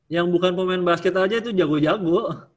yang bukan pemain basket aja itu jago jago